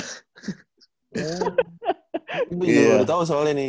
tapi udah tau soalnya nih